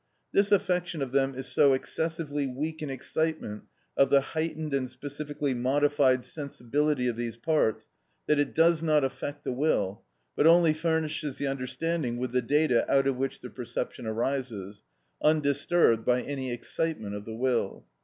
This affection of them is so excessively weak an excitement of the heightened and specifically modified sensibility of these parts that it does not affect the will, but only furnishes the understanding with the data out of which the perception arises, undisturbed by any excitement of the will.